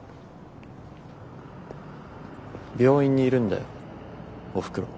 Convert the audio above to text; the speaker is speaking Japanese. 病院にいるんだよおふくろ。